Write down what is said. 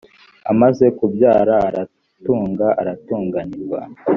amaze kubyara aratunga aratunaginirwa